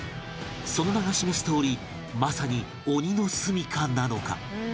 その名が示すとおりまさに鬼のすみかなのか？